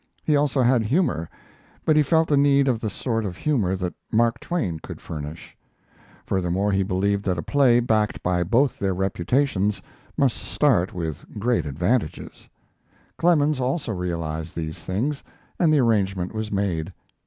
He also had humor, but he felt the need of the sort of humor that Mark Twain could furnish. Furthermore, he believed that a play backed by both their reputations must start with great advantages. Clemens also realized these things, and the arrangement was made.